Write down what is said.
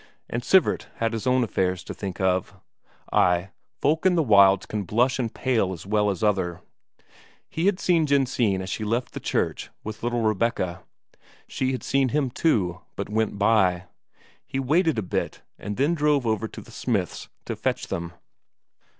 And Sivert had his own affairs to think of ay, folk in the wilds can blush and pale as well as other. He had seen Jensine as she left the church with little Rebecca; she had seen him too, but went by. He waited a bit, and then drove over to the smith's to fetch them.